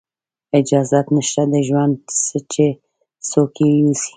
اجازت نشته د ژوند چې څوک یې یوسي